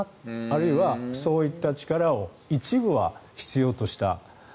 あるいは、そういった力を一部は必要とした。